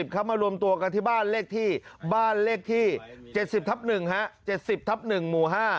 เขามารวมตัวกันที่บ้านเลขที่๗๐ทับ๑หมู่๕